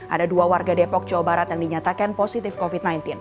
ada dua warga depok jawa barat yang dinyatakan positif covid sembilan belas